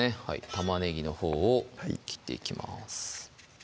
玉ねぎのほうを切っていきます